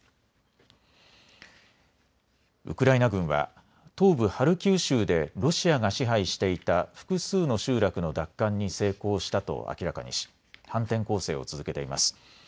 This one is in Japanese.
ウクライナ軍は東部ハルキウ州でロシアが支配していた複数の集落の奪還に成功したと明らかにし反転攻勢を続けています。